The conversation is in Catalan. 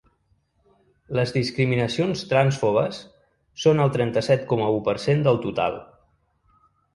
Les discriminacions trànsfobes són el trenta-set coma u per cent del total.